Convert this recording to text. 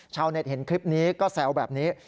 ชาวเน็ตเห็นคลิปนี้ก็แซวแบบนี้